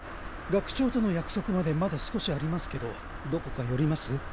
学長との約束までまだ少しありますけどどこか寄ります？